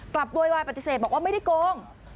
โวยวายปฏิเสธบอกว่าไม่ได้โกง